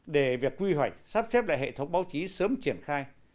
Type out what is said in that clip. để việc quy hoạch sắp xếp lại hệ thống báo chí sớm triển khai